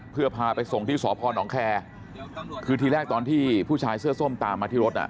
เพื่อพาไปส่งที่สพนแคร์คือทีแรกตอนที่ผู้ชายเสื้อส้มตามมาที่รถอ่ะ